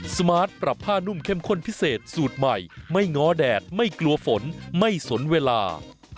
สมาร์ทปรับผ้านุ่มเข้มข้นพิเศษสูตรใหม่ไม่ง้อแดดไม่กลัวฝนไม่สนเวลา